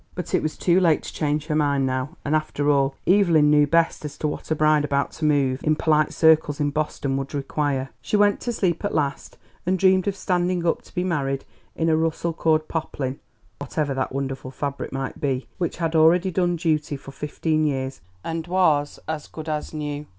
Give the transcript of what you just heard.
But it was too late to change her mind now; and, after all, Evelyn knew best as to what a bride about to move in polite circles in Boston would require. She went to sleep at last and dreamed of standing up to be married in a Russell cord poplin (whatever that wonderful fabric might be) which had already done duty for fifteen years, and was "as good as new."